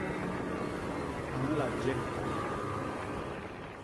A nla je.